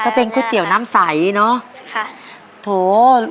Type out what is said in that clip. ก็เป็นก๋วยเตี๋ยวน้ำใสเนอะ